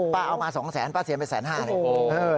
ป้าเอามาสองแสนป้าเสียไปแสนห้าเลย